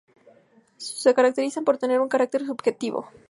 Se caracterizan por tener un carácter subjetivo.